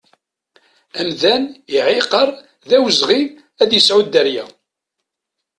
Amdan iɛiqer d awezɣi ad yesɛu dderya.